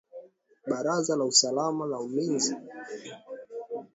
Baraza la usalama na ulinzi